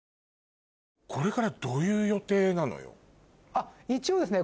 あっ一応ですね